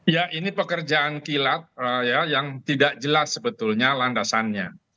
ya ini pekerjaan kilat yang tidak jelas sebetulnya landasannya